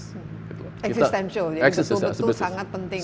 existential yang betul betul sangat penting